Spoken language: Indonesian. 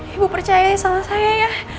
ibu percaya sama saya ya